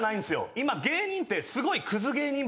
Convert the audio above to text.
今芸人ってすごい。